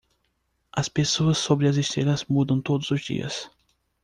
As pessoas sob as estrelas mudam todos os dias